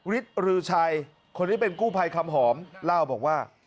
ฤทธิรือชัยคนนี้เป็นกู้ภัยคำหอมเล่าบอกว่า